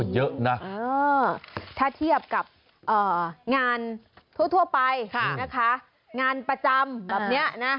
เยอะนะถ้าเทียบกับงานทั่วไปนะคะงานประจำแบบนี้นะ